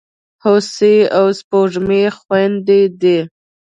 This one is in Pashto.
هوسۍ او سپوږمۍ خوېندي دي.